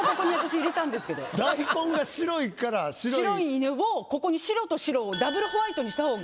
白い犬をここに白と白をダブルホワイトにした方が。